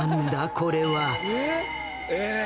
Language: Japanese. これはえ！